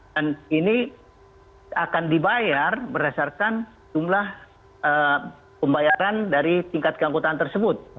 dan ini akan dibayar berdasarkan jumlah pembayaran dari tingkat keanggotaan tersebut